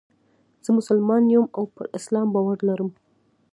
زه مسلمان یم او پر اسلام باور لرم.